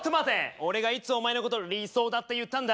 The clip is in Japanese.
俺がいつお前のこと理想だって言ったんだ？